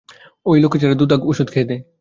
ওই লক্ষ্মীছাড়ার দু দাগ ওষুধ খেয়ে!